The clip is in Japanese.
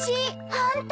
ホント！